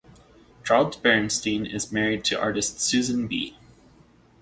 Charles Bernstein is married to artist Susan Bee.